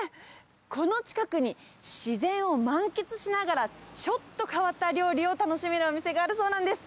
この近くに、自然を満喫しながら、ちょっと変わった料理を楽しめるお店があるそうなんです。